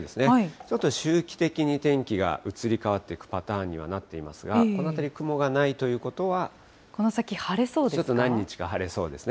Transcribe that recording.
ちょっと周期的に天気が移り変わっていくパターンにはなっていますが、この辺り、雲がないというこの先、晴れそうですか？